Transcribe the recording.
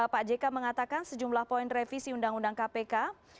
pak jk mengatakan sejumlah poin revisi undang undang kpk